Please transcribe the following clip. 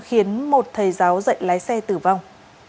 khiến một thầy giáo dậy lái xe tử vong